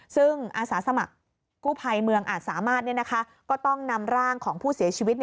ซึ่งอาสาสมัครกู้ภัยเมืองอาจสามารถก็ต้องนำร่างของผู้เสียชีวิต